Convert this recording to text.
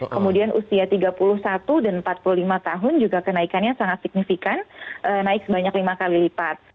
kemudian usia tiga puluh satu dan empat puluh lima tahun juga kenaikannya sangat signifikan naik sebanyak lima kali lipat